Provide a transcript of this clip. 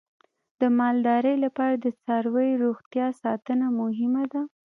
د مالدارۍ لپاره د څارویو روغتیا ساتنه مهمه ده.